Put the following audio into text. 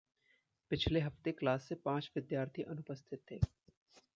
पिछले हफ़्ते क्लास से पाँच विद्यार्थी अनुपस्थित थे।